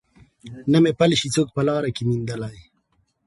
نه مي پل سي څوک په لاره کي میندلای